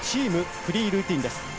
フリールーティンです。